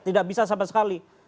tidak bisa sama sekali